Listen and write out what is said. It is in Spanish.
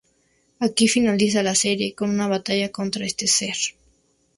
Aquí finaliza la serie, con una batalla contra este ser.